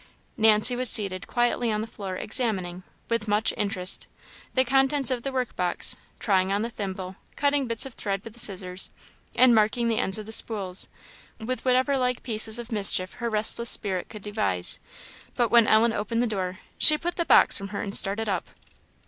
Nancy was seated quietly on the floor, examining, with much seeming interest, the contents of the work box; trying on the thimble, cutting bits of thread with the scissors, and marking the ends of the spools with whatever like pieces of mischief her restless spirit could devise; but when Ellen opened the door, she put the box from her and started up.